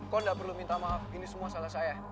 kau tidak perlu minta maaf ini semua salah saya